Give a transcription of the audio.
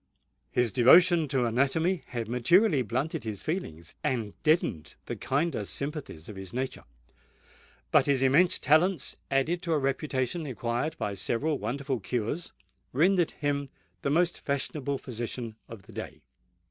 His devotion to anatomy had materially blunted his feelings and deadened the kinder sympathies of his nature; but his immense talents, added to a reputation acquired by several wonderful cures, rendered him the most fashionable physician of the day.